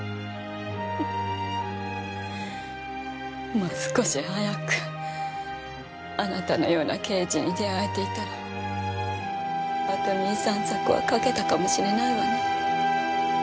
もう少し早くあなたのような刑事に出会えていたらあと２３作は書けたかもしれないわね。